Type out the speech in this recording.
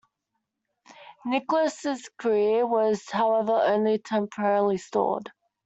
Nicholls' career was, however, only temporally stalled.